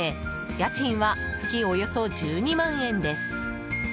家賃は月およそ１２万円です。